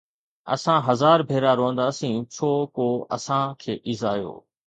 اسان هزار ڀيرا روئنداسين ڇو ڪو اسان کي ايذايو